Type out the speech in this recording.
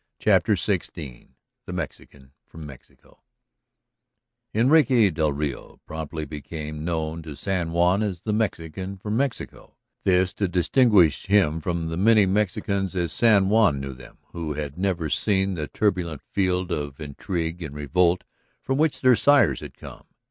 CHAPTER XVI THE MEXICAN FROM MEXICO Enrique del Rio promptly became known to San Juan as the Mexican from Mexico, this to distinguish him from the many Mexicans, as San Juan knew them, who had never seen that turbulent field of intrigue and revolt from which their sires had come.